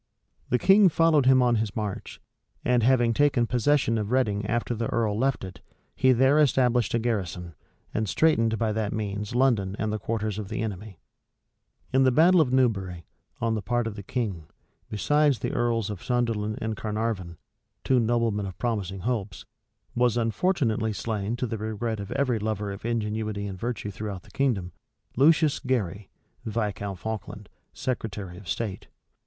The king followed him on his march; and having taken possession of Reading after the earl left it, he there established a garrison, and straitened by that means London and the quarters of the enemy.[*] * Rush, vol. vi. p. 293. Clarendon, vol. iii. p. 347. In the battle of Newbury, on the part of the king, besides the earls of Sunderland and Carnarvon, two noblemen of promising hopes, was unfortunately slain, to the regret of every lover of ingenuity and virtue throughout the kingdom, Lucius Gary, Viscount Falkland, secretary of state.